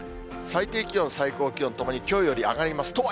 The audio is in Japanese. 最低気温、最高気温ともに、きょうより上がります。